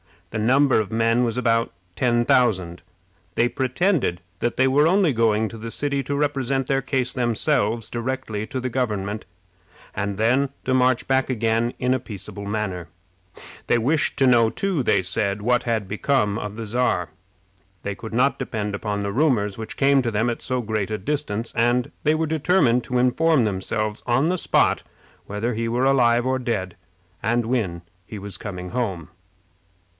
The number of men was about ten thousand. They pretended that they were only going to the city to represent their case themselves directly to the government, and then to march back again in a peaceable manner. They wished to know, too, they said, what had become of the Czar. They could not depend upon the rumors which came to them at so great a distance, and they were determined to inform themselves on the spot whether he were alive or dead, and when he was coming home.